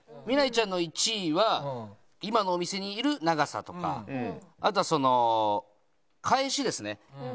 みらいちゃんの１位は今のお店にいる長さとかあとはその返しですね。